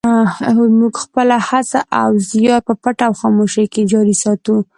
موږ خپله هڅه او زیار په پټه او خاموشۍ کې جاري ساتو.